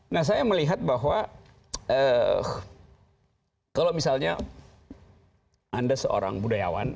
nah saya melihat bahwa kalau misalnya anda seorang budayawan